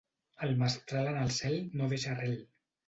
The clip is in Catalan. El mestral en el cel no deixa arrel.